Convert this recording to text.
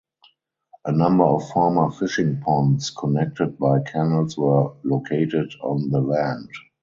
A number of former fishing ponds connected by canals were located on the land.